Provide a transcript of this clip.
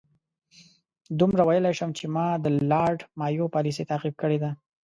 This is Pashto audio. دومره ویلای شم چې ما د لارډ مایو پالیسي تعقیب کړې ده.